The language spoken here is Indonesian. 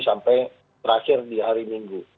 sampai terakhir di hari minggu